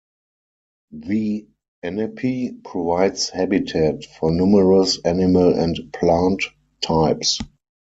The Ennepe provides habitat for numerous animal and plant types.